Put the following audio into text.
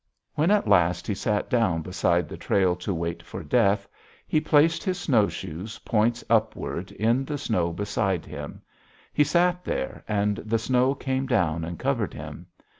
When at last he sat down beside the trail to wait for death he placed his snowshoes points upward in the snow beside him. He sat there, and the snow came down and covered him.